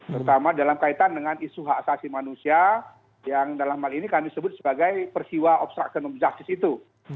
terutama dalam kaitan dengan isu hak asasi manusia yang dalam hal ini kami sebut sebagai persiwa obstruction of justice itu